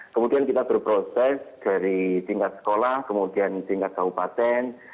kemudian kita berproses dari tingkat sekolah kemudian tingkat kabupaten